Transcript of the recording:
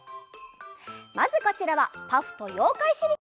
まずこちらは「パフ」と「ようかいしりとり」。